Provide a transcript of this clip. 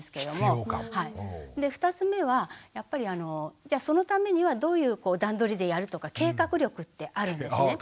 ２つ目はやっぱりじゃあそのためにはどういう段取りでやるとか計画力ってあるんですね。